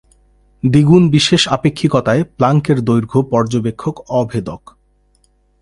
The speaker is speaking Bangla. দ্বিগুণ বিশেষ আপেক্ষিকতায়, প্লাংকের দৈর্ঘ্য পর্যবেক্ষক-অভেদক।